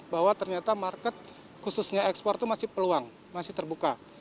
bahwa ternyata market khususnya ekspor itu masih peluang masih terbuka